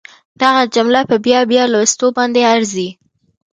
دغه جمله په بیا بیا لوستلو باندې ارزي